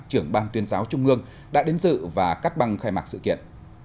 trưởng ban tuyên giáo trung ương đã đến dự và cắt băng khai mạc sự kiện